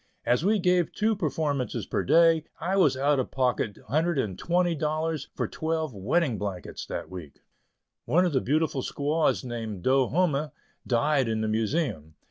As we gave two performances per day, I was out of pocket $120 for twelve "wedding blankets," that week. One of the beautiful squaws named Do humme died in the Museum.